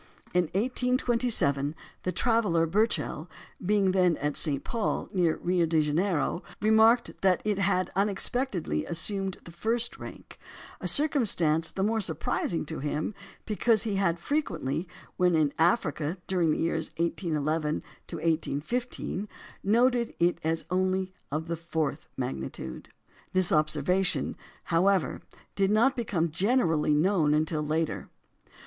In 1827 the traveller Burchell, being then at St. Paul, near Rio Janeiro, remarked that it had unexpectedly assumed the first rank a circumstance the more surprising to him because he had frequently, when in Africa during the years 1811 to 1815, noted it as of only fourth magnitude. This observation, however, did not become generally known until later.